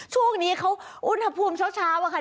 ช่วงนี้เขาอุณหภูมิเช้าอะค่ะ